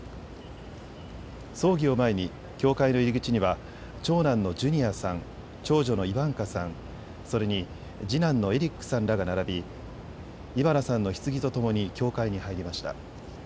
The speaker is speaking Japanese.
葬儀を前に教会の入り口には長男のジュニアさん、長女のイバンカさん、それに次男のエリックさんらが並びイバナさんのひつぎとともに教会に入りました。